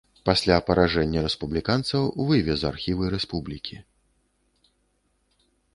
Пасля паражэння рэспубліканцаў вывез архівы рэспублікі.